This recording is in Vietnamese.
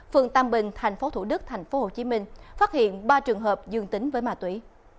phường tàm bình thành phố thủ đức thành phố hồ chí minh phát hiện ba trường hợp dương tính với ma túy